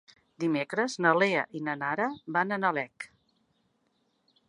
Dimecres na Lea i na Nara van a Nalec.